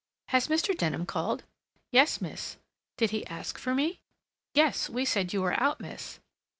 "Has Mr. Denham called?" "Yes, miss." "Did he ask for me?" "Yes. We said you were out, miss."